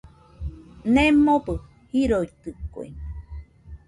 Nemobɨ jiroitɨkue.